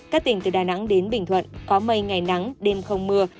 các tỉnh từ đà nẵng đến bình thuận có mây ngày nắng đêm không mưa